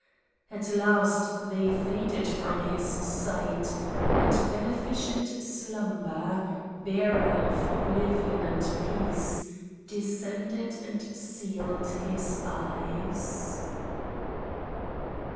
At last they faded from his sight, and beneficent slumber, bearer of oblivion and peace, descended and sealed his eyes.